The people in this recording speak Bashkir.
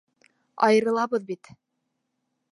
Айырылабыҙ бит!